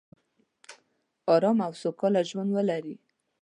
ارامه او سوکاله ژوندولري